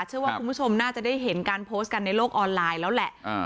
เชื่อว่าคุณผู้ชมน่าจะได้เห็นการโพสต์กันในโลกออนไลน์แล้วแหละ